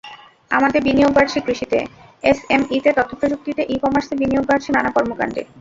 আমাদের বিনিয়োগ বাড়ছে কৃষিতে, এসএমইতে, তথ্যপ্রযুক্তিতে, ই-কমার্সে, বিনিয়োগ বাড়ছে নানা কর্মকাণ্ডে।